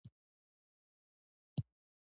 توت څنګه پخیږي؟